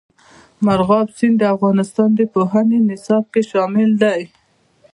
مورغاب سیند د افغانستان د پوهنې نصاب کې شامل دي.